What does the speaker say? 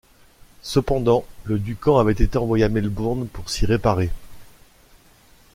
Cependant le Duncan avait été envoyé à Melbourne pour s’y réparer